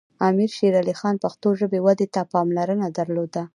امیر شیر علی خان پښتو ژبې ودې ته پاملرنه درلوده.